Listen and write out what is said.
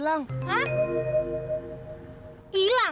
emang kamu kalian jalanin